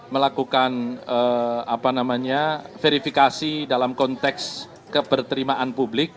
melakukan verifikasi dalam konteks keperterimaan publik